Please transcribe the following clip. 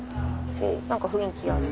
「なんか雰囲気ある」